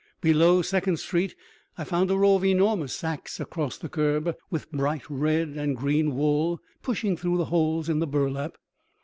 Below Second Street I found a row of enormous sacks across the curb, with bright red and green wool pushing through holes in the burlap.